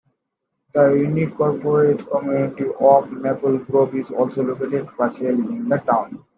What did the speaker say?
The unincorporated community of Maple Grove is also located partially in the town.